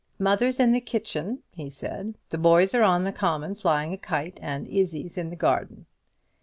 "Mother's in the kitchen," he said; "the boys are on the common flying a kite, and Izzie's in the garden."